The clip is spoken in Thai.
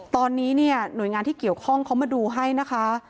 ตอนนี้เนี่ยหน่วยงานที่เกี่ยวข้องเขามาดูให้นะคะ